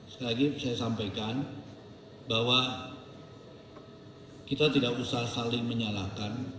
sekali lagi saya sampaikan bahwa kita tidak usah saling menyalahkan